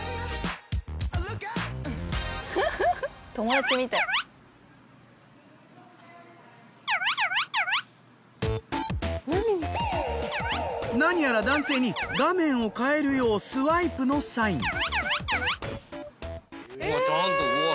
いったいなにやら男性に画面を変えるようスワイプのサイン。え！？